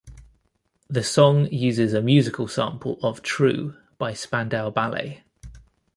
The song uses a musical sample of "True" by Spandau Ballet.